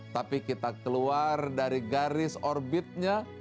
tapi kita keluar dari garis orbitnya